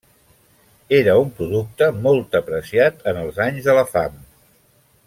Era un producte molt apreciat en els anys de la fam.